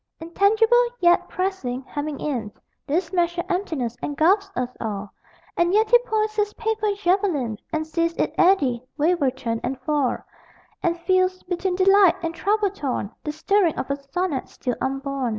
Intangible, yet pressing, hemming in, This measured emptiness engulfs us all, And yet he points his paper javelin And sees it eddy, waver, turn, and fall, And feels, between delight and trouble torn, The stirring of a sonnet still unborn.